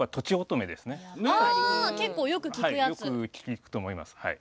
よく聞くと思いますはい。